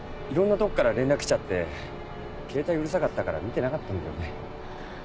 いろんなとこから連絡来ちゃってケータイうるさかったから見てなかったんだよね。